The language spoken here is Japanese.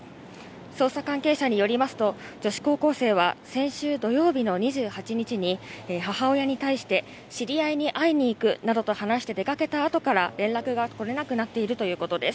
捜査関係者によりますと女子高校生は先週土曜日の２８日に母親に対して知り合いに会いに行くなどと話して出かけたあとから連絡が取れなくなっているということです。